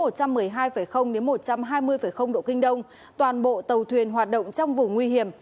từ kinh tuyến một mươi hai hai đến một trăm hai mươi độ kinh đông toàn bộ tàu thuyền hoạt động trong vùng nguy hiểm